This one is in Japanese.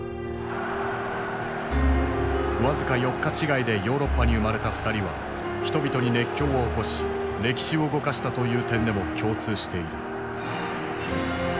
僅か４日違いでヨーロッパに生まれた二人は人々に熱狂を起こし歴史を動かしたという点でも共通している。